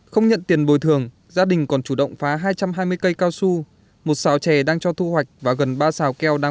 không nhận tiền bồi thường gia đình còn chủ động phá hai trăm hai mươi cây cao su